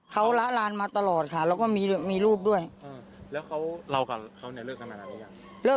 โปรดตามตอนต่อไป